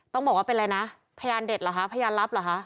ต้องบอกว่าเป็นอะไรนะพยานเด็ดเหรอคะพยานลับเหรอคะ